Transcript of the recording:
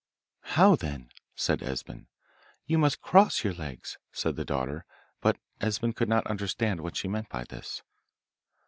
'How then?' said Esben. 'You must cross your legs,' said the daughter; but Esben could not understand what she meant by this.